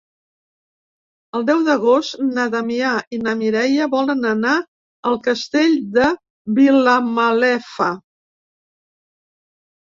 El deu d'agost na Damià i na Mireia volen anar al Castell de Vilamalefa.